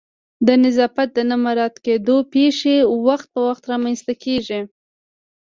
د نظافت د نه مراعت کېدو پیښې وخت په وخت رامنځته کیږي